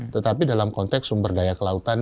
tetapi dalam konteks sumber daya kelautan